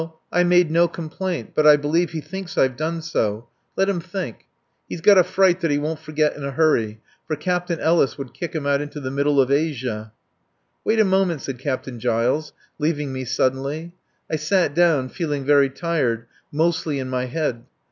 I made no complaint, but I believe he thinks I've done so. Let him think. He's got a fright he won't forget in a hurry, for Captain Ellis would kick him out into the middle of Asia. ..." "Wait a moment," said Captain Giles, leaving me suddenly. I sat down feeling very tired, mostly in my head.